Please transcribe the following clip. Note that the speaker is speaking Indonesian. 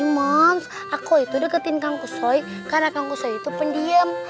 moms aku itu deketin kang kusoy karena kang kusoy itu pendiem